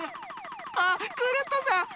あっクルットさん。